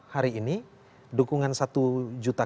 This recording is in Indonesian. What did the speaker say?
hari ini dukungan satu juta